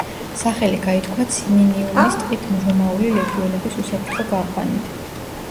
სახელი გაითქვა ციმინიუმის ტყით რომაული ლეგიონების უსაფრთხო გაყვანით.